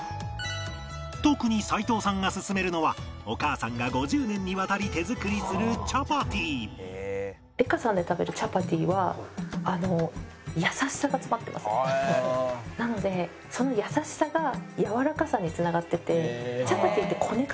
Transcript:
特に齋藤さんがすすめるのはお母さんが５０年にわたり手作りするチャパティなのでその優しさがやわらかさに繋がっていて。